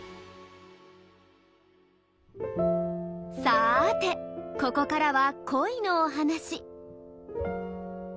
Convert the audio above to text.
さてここからは恋のお話。